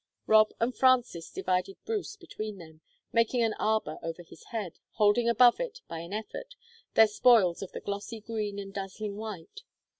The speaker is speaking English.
Rob and Frances divided Bruce between them, making an arbor over his head, holding above it, by an effort, their spoils of the glossy green and dazzling white.